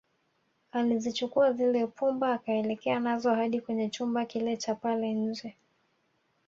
Alizichukua zile pumba akaelekea nazo hadi kwenye chumba kile Cha pale nje